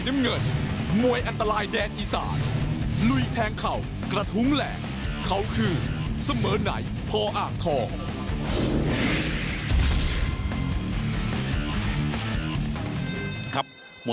ดุเดือดทะลุจอแน่นอนนะครับ